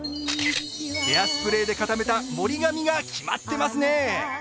ヘアスプレーで固めた盛り髪が決まってますね。